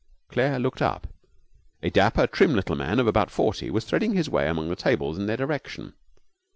Claire looked up. A dapper, trim little man of about forty was threading his way among the tables in their direction.